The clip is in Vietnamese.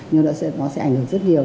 nhưng nó sẽ ảnh hưởng rất nhiều